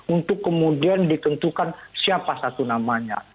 untuk kemudian ditentukan siapa satu namanya